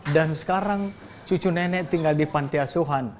dan sekarang cucu nenek tinggal di pantiasuhan